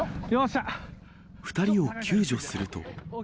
２人を救助すると。